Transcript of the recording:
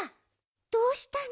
どうしたの？